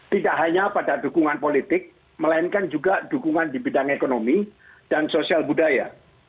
tidak hanya pada dukungan politik melainkan juga dukungan di bidang ekonomi dan sosial budaya